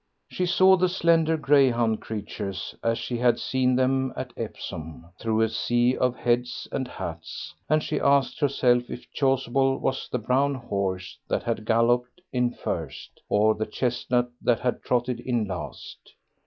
She saw the slender greyhound creatures as she had seen them at Epsom, through a sea of heads and hats, and she asked herself if Chasuble was the brown horse that had galloped in first, or the chestnut that had trotted in last.